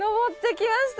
きました。